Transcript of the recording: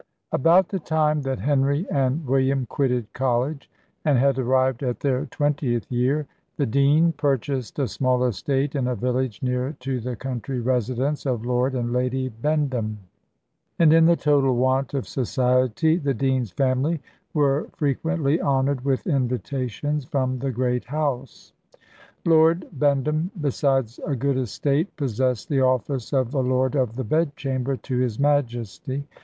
About the time that Henry and William quitted college, and had arrived at their twentieth year, the dean purchased a small estate in a village near to the country residence of Lord and Lady Bendham; and, in the total want of society, the dean's family were frequently honoured with invitations from the great house. Lord Bendham, besides a good estate, possessed the office of a lord of the bed chamber to his Majesty.